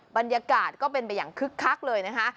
บรรยากาศก็เป็นไปอย่างคึกคักเลยนะคะ